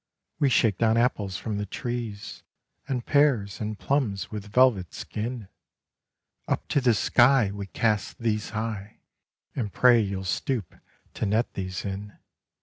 We shake down apples from the trees And pears, and plums with velvet skin Up to the sky We cast these high And pray you'll stoop to net these in.